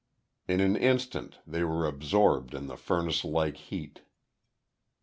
In an instant they were absorbed in the furnace like heat.